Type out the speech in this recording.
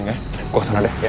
gue kesana deh